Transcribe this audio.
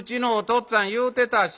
っつぁん言うてたし。